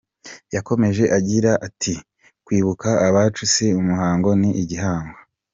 Yakomeje agira ati«Kwibuka abacu si umuhango ni igihango.